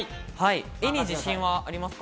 絵に自信はありますか？